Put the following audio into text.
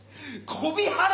コビハラ。